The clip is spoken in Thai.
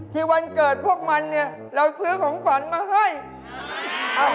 ที่วันเกิดพวกมันเราซื้อของฝันมาให้